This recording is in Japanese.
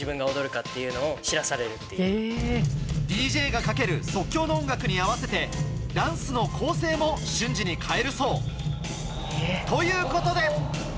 ＤＪがかける即興の音楽に合わせてダンスの構成も瞬時に変えるそう。ということで。